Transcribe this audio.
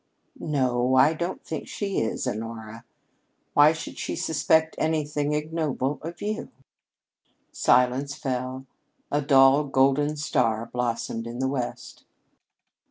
"No, I don't think she is, Honora. Why should she suspect anything ignoble of you?" Silence fell. A dull golden star blossomed in the West.